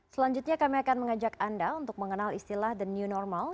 selanjutnya kami akan mengajak anda untuk mengenal istilah the new normal